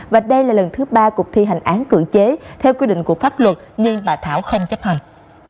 và đây là lần thứ ba cục thi hành án cưỡng chế theo quy định của pháp luật nhưng bà thảo không chấp hành